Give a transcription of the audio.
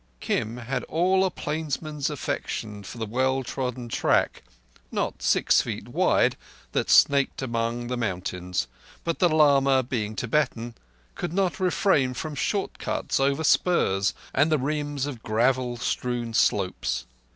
Kim had all a plainsman's affection for the well trodden track, not six feet wide, that snaked among the mountains; but the lama, being Tibetan, could not refrain from short cuts over spurs and the rims of gravel strewn slopes.